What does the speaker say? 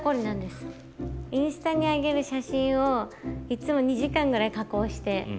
インスタに上げる写真をいつも２時間ぐらい加工して。